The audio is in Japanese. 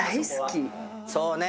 そうね